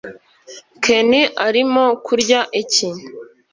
ken arimo kurya iki